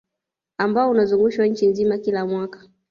Ambao unazungushwa nchi nzima kila mwaka